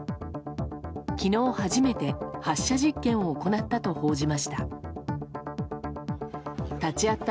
昨日初めて発射実験を行ったと報じました。